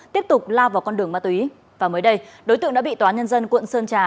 tiếp tục lao vào con đường ma túy và mới đây đối tượng đã bị tòa nhân dân quận sơn trà